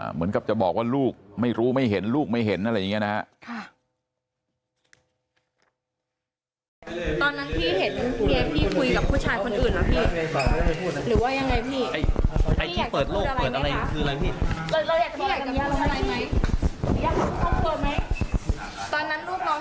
เหมือนกับจะบอกว่าลูกไม่รู้ไม่เห็นลูกไม่เห็นอะไรอย่างนี้นะครับ